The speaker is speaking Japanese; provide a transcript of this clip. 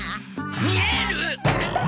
見える！